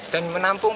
dan menjaga kemampuan